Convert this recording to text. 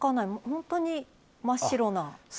本当に真っ白な。